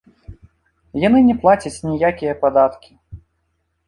Яны не плацяць ніякія падаткі.